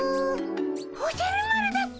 おじゃる丸だっピ。